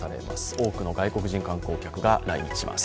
多くの外国人観光客が来日されます。